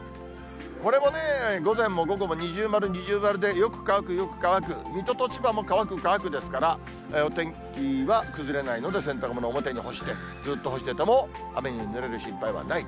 これもね、午前も午後も二重丸、二重丸で、よく乾く、よく乾く、水戸と千葉も乾く、乾くですから、お天気は崩れないので、洗濯物、表に干して、ずっと干してても雨にぬれる心配はない。